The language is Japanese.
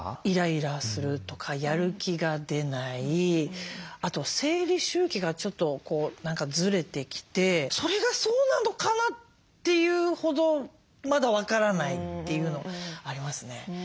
イライラするとかやる気が出ないあと生理周期がちょっとこう何かずれてきてそれがそうなのかな？っていうほどまだ分からないっていうのありますね。